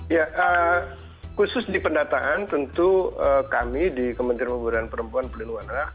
ya khusus di pendataan tentu kami di kementerian pemberdayaan perempuan pelindungan anak